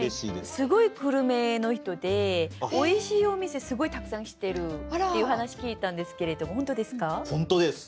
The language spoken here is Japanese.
すごいグルメの人でおいしいお店すごいたくさん知ってるっていう話聞いたんですけれども本当ですか？